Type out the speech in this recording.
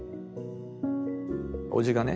叔父がね